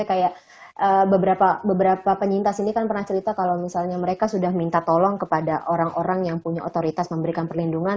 kayak beberapa penyintas ini kan pernah cerita kalau misalnya mereka sudah minta tolong kepada orang orang yang punya otoritas memberikan perlindungan